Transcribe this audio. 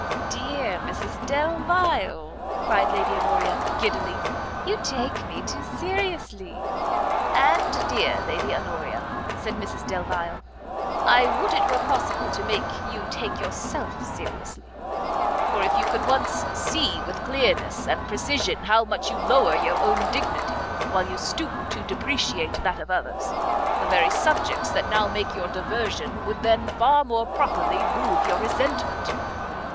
"Dear Mrs Delvile," cried Lady Honoria, giddily, "you take me too seriously." "And dear Lady Honoria," said Mrs Delvile, "I would it were possible to make you take yourself seriously; for could you once see with clearness and precision how much you lower your own dignity, while you stoop to depreciate that of others, the very subjects that now make your diversion, would then, far more properly, move your resentment."